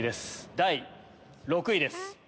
第６位です。